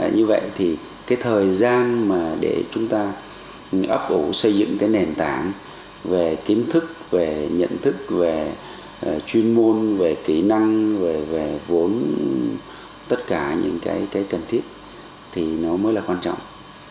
như vậy thì thời gian để chúng ta ấp ủ xây dựng nền tảng về kiến thức nhận thức chuyên môn kỹ năng vốn tất cả những cần thiết mới là quan trọng